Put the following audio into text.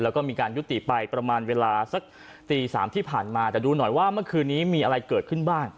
แล้วก็มีการยุติไปประมาณเวลาสักตี๓ที่ผ่านมาแต่ดูหน่อยว่าเมื่อคืนนี้มีอะไรเกิดขึ้นบ้าง